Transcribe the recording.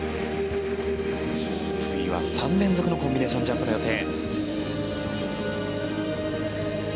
次は３連続のコンビネーションジャンプの予定。